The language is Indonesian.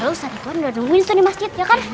ustadz gue udah nungguin tuh di masjid ya kan